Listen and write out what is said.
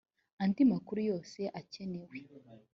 andi makuru yose akenewe